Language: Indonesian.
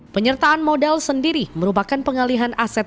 penyertaan modal sendiri merupakan pengalihan aset